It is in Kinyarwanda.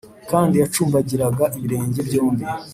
kandi yacumbagiraga ibirenge byombi.